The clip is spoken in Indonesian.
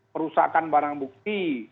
perusahaan barang bukti